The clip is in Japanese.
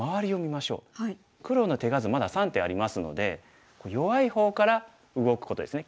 黒の手数まだ３手ありますので弱い方から動くことですね。